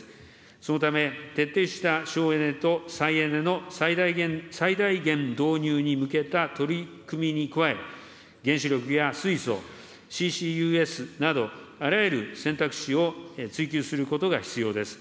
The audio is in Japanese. そのため、徹底した省エネと再エネの最大限導入に向けた取り組みに加え、原子力や水素、ＣＣＵＳなど、あらゆる選択肢を追求することが必要です。